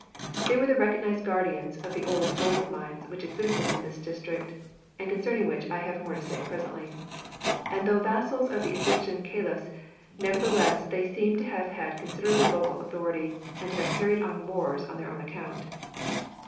They were the recognised guardians of the old gold mines which existed in this district, and concerning which I have more to say presently; and though vassals of the Egyptian kaliphs, nevertheless they seem to have had considerable local authority, and to have carried on wars on their own account.